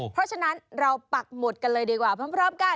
เพราะฉะนั้นเราปักหมุดกันเลยดีกว่าพร้อมกัน